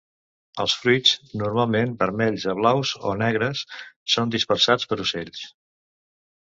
Els fruits normalment vermells a blaus o negres són dispersats per ocells.